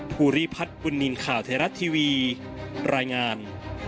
ภูริพัฒน์บุญนินทร์ข่าวไทยรัฐทีวีรายงาน